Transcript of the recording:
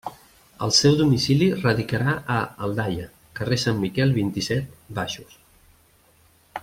El seu domicili radicarà a Aldaia, carrer Sant Miquel, vint-i-set, baixos.